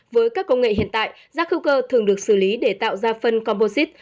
với các công nghệ hiện tại rác hữu cơ thường được xử lý để tạo ra phân composite